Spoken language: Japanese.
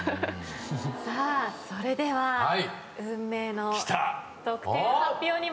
さあそれでは運命の得点発表に参ります。